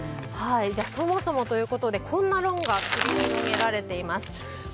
そもそもということでこんな論が繰り広げられています。